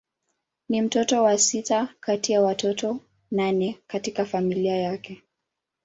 Ni mtoto wa sita kati ya watoto nane katika familia yake.